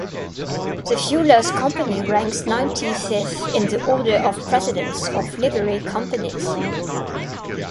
The Fuellers' Company ranks ninety-fifth in the Order of Precedence of Livery Companies.